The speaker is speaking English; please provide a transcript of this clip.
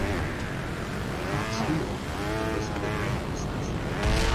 He taught school and was in the grain business.